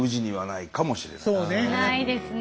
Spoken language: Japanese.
ないですね